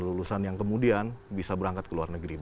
lulusan yang kemudian bisa berangkat ke luar negeri